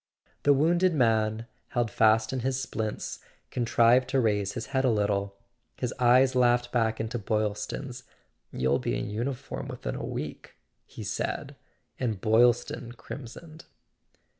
The wounded man, held fast in his splints, contrived to raise his head a little. His eyes laughed back into Boylston's. "You'll be in uniform within a week!" he said; and Boylston crimsoned.